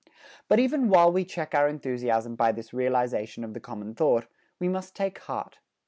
But even while we check our enthusiasm by this realization of the common thought, we must take heart.